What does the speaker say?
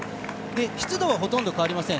湿度はほとんど変わりません。